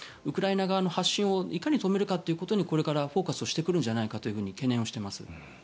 ウクライナ側の発信をいかに止めるかということにこれからフォーカスをしてくるんじゃないかと懸念をしています。